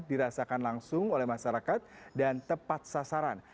dirasakan langsung oleh masyarakat dan tepat sasaran